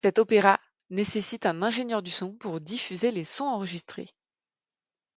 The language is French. Cet opéra nécessite un ingénieur du son pour diffuser les sons enregistrés.